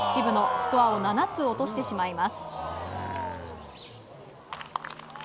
スコアを７つ落としてしまいます。